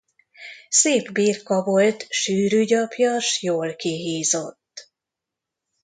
Szép birka volt, sűrű gyapjas, jól kihízott.